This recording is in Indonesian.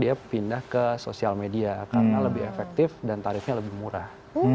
dia pindah ke sosial media karena lebih efektif dan tarifnya lebih murah